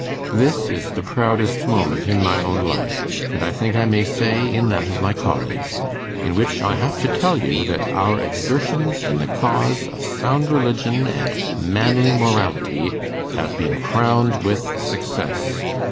This is the proudest moment in my own life, and I think I may say in that of my colleagues, in which I have to tell you that our exertions in the cause of sound religion and manly morality have been crowned with success.